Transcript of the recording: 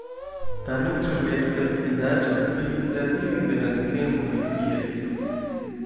Tamen sur lia tuta vizaĝo brilis radioj de dankemo kaj pieco.